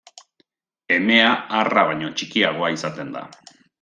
Emea arra baino txikiagoa izaten da.